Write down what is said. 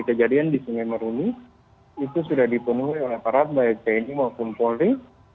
sejak kejadian di sungai maruni itu sudah dipenuhi oleh para baik tni maupun polri